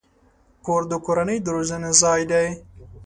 کور د کورنۍ د روزنې ځای دی.